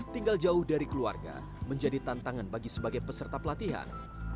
tinggal jauh dari keluarga menjadi tantangan bagi sebagai peserta pelatihan